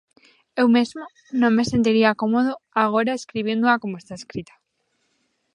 Eu mesmo, non me sentiría cómodo agora escribíndoa como está escrita.